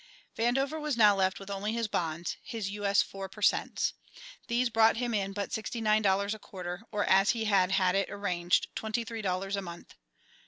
Vandover was now left with only his bonds, his U.S. 4 per cents. These brought him in but sixty nine dollars a quarter, or as he had had it arranged, twenty three dollars a month.